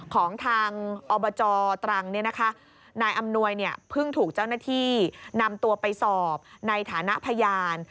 ของทางอบจตรังนายอำนวยเพิ่งถูกเจ้าหน้าที่นำตัวไปสอบในฐานะพยาน